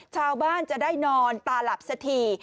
ชาวบ้านจะได้นอนตาหลับสักที